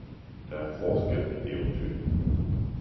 Der er forskel Eventyr